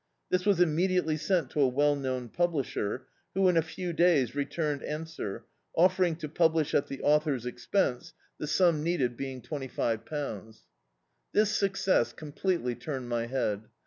This was immediately sent to a well known publisher, who in a few days returned answer, offering to publish at the author's expense, the sum needed be D,i.,.db, Google London ing twenty five pounds. This success completely turned my head.